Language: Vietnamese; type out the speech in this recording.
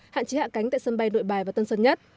hạn chế hạ cánh tại sân bay nội bài và tân sơn nhất